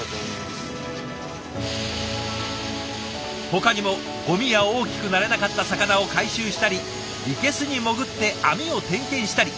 ほかにもゴミや大きくなれなかった魚を回収したり生けすに潜って網を点検したり。